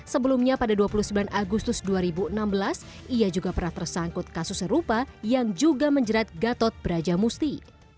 sebelumnya pada dua puluh sembilan agustus dua ribu enam belas ia juga pernah tersangkut kasus serupa yang juga menjerat gatot brajamusti